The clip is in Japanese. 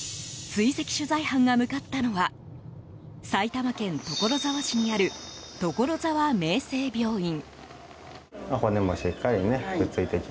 追跡取材班が向かったのは埼玉県所沢市にある所沢明生病院。